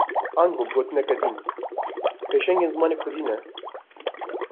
Ango bi gotineke din, pêşengên zimanê Kurdî ne